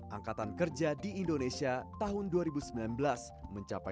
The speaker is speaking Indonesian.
angkatan kerja di indonesia tahun dua ribu sembilan belas mencapai